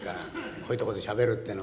こういうとこでしゃべるっていうの。